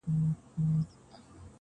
دا غرونه غرونه پـه واوښـتـل.